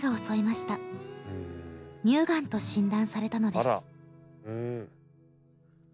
乳がんと診断されたのです。